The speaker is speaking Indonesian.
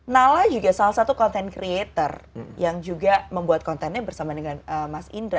nala juga salah satu content creator yang juga membuat kontennya bersama dengan mas indra